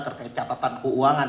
terkait catatan keuangan